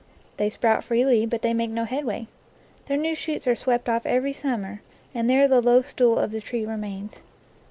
They sprout freely, but they make no headway; their new shoots are swept off every summer, and there the low stool of the tree remains.